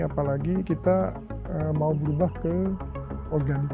apalagi kita mau berubah ke organik